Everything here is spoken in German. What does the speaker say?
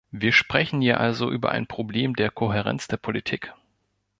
Wir sprechen hier also über ein Problem der Kohärenz der Politik.